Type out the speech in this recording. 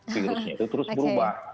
virusnya itu terus berubah